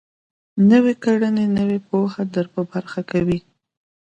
نويې کړنې نوې پوهه در په برخه کوي.